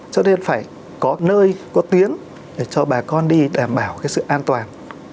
cho nên phải có nơi có tuyến để cho bà con đi đảm bảo cái sự an toàn